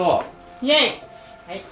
イエイ！